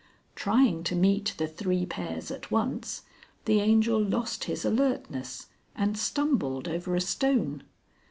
Trying to meet the three pairs at once, the Angel lost his alertness and stumbled over a stone.